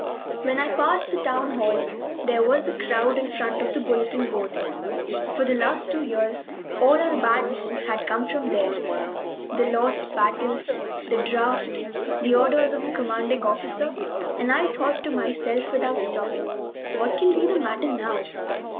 When I passed the town hall there was a crowd in front of the bulletin board. For the last two years all our bad news had come from there the lost battles, the draft, the orders of the commanding officer and I thought to myself, without stopping: "What can be the matter now?"